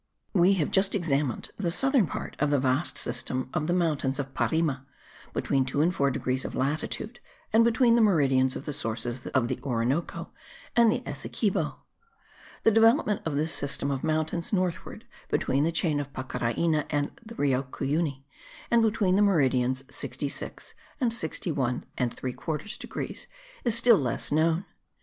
We have just examined the southern part of the vast system of the mountains of Parime, between 2 and 4 degrees of latitude, and between the meridians of the sources of the Orinoco and the Essequibo. The development of this system of mountains northward between the chain of Pacaraina and Rio Cuyuni, and between the meridians 66 and 61 3/4 degrees, is still less known.